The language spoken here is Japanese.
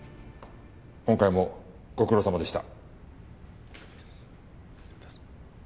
今回もご苦労さまでした。